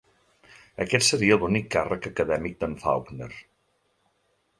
Aquest seria l'únic càrrec acadèmic d'en Faulkner.